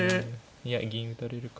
いや銀打たれるか。